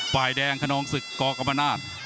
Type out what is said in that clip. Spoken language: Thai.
ปลายแดงคนนองศึกกกรมนาฏ